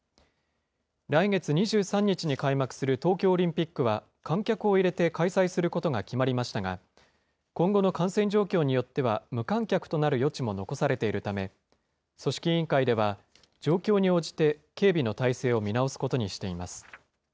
来月２３日に開幕する東京オリンピックは、観客を入れて開催することが決まりましたが、今後の感染状況によっては無観客となる余地も残されているため、組織委員会では、状況に応じて警備の態勢を見直すことにしています。